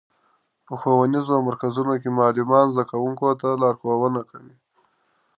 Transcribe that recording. په ښوونیزو مرکزونو کې معلمان زدهکوونکو ته لارښوونه کوي.